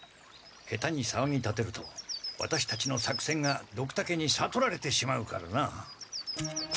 下手にさわぎ立てるとワタシたちの作戦がドクタケにさとられてしまうからな。